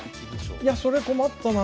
いやそれ困ったな。